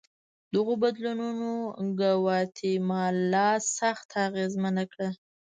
دغو بدلونونو ګواتیمالا سخته اغېزمنه کړه.